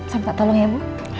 saya gak tau ya bu